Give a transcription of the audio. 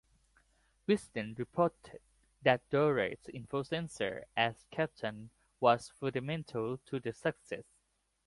"Wisden" reported that Dollery's influence as captain was fundamental to the success.